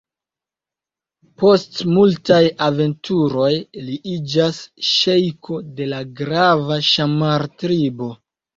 Post multaj aventuroj li iĝas ŝejko de la grava Ŝammar-tribo.